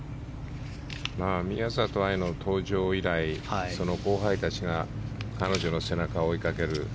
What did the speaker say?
宮里藍の登場以来後輩たちが彼女の背中を追いかける。